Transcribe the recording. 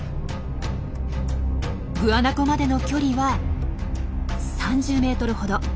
グアナコまでの距離は３０ｍほど。